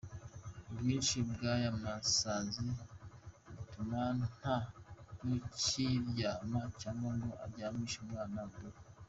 Ubwinshi bw’aya masazi butuma nta n’ukiryama cyangwa ngo aryamishe umwana mu rugo.